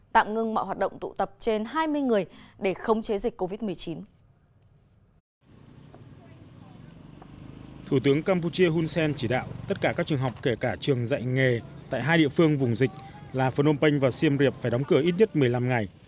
thủ tướng campuchia hun sen chỉ đạo tất cả các trường học kể cả trường dạy nghề tại hai địa phương vùng dịch là phnom penh và siem reap phải đóng cửa ít nhất một mươi năm ngày